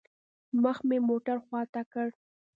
مخ مې موټر خوا ته كړ.